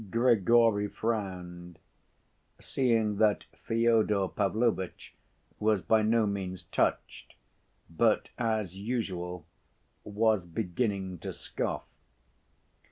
Grigory frowned, seeing that Fyodor Pavlovitch was by no means touched, but, as usual, was beginning to scoff.